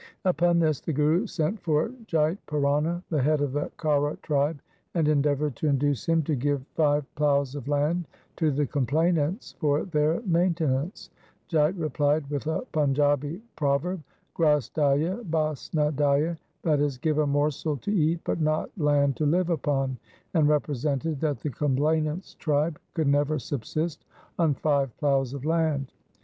Upon this the Guru sent for Jait Pirana, the head of the Kaura tribe, and endeavoured to induce him to give five 1 Guru Arjan, Maru. LIFE OF GURU HAR RAI 293 ploughs of land to the complainants for their maintenance. Jait replied with a Panjabi proverb, ' Gras daiye, bas na daiye '— that is, give a morsel to eat, but not land to live upon — and represented that the complainants' tribe could never subsist on five ploughs of land.